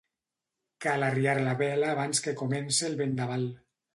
Cal arriar la vela abans que comence el vendaval.